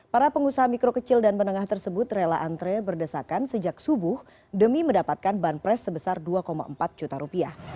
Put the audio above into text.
para pengusaha mikro kecil dan menengah tersebut rela antre berdesakan sejak subuh demi mendapatkan banpres sebesar dua empat juta rupiah